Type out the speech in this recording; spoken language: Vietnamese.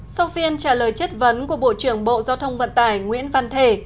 sau phiên trả lời chất vấn của bộ trưởng bộ giao thông vận tải nguyễn văn thể